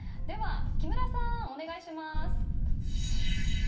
木村さん、お願いします。